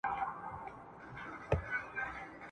پټ به د رقیب له بدو سترګو سو تنها به سو ..